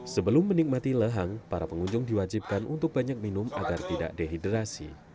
sebelum menikmati lehang para pengunjung diwajibkan untuk banyak minum agar tidak dehidrasi